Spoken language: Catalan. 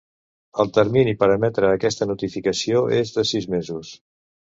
El termini per emetre aquesta notificació és de sis mesos.